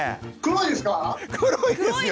黒いですよ。